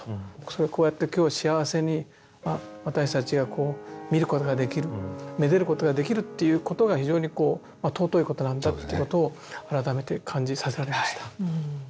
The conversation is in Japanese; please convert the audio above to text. それをこうやって今日幸せに私たちがこう見ることができる愛でることができるっていうことが非常にこう尊いことなんだっていうことを改めて感じさせられました。